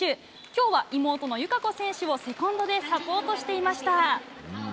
きょうは妹の友香子選手をセコンドでサポートしていました。